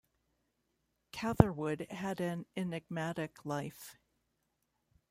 Catherwood had an enigmatic life.